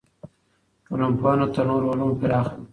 ټولنپوهنه تر نورو علومو پراخه ده.